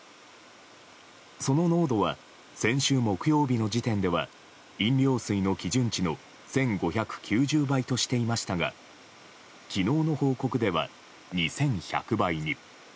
その濃度は先週木曜日の時点では飲料水の基準値の１５９０倍としていましたが昨日の報告では２１００倍に。